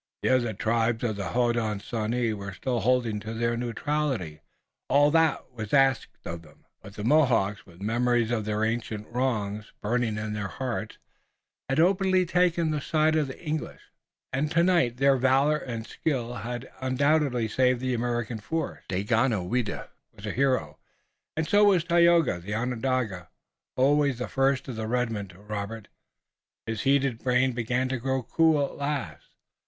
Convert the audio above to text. The other tribes of the Hodenosaunee were still holding to their neutrality all that was asked of them but the Mohawks, with the memories of their ancient wrongs burning in their hearts, had openly taken the side of the English, and tonight their valor and skill had undoubtedly saved the American force. Daganoweda was a hero! And so was Tayoga, the Onondaga, always the first of red men to Robert. His heated brain began to grow cool at last.